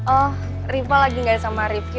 oh rifah lagi gak sama rifki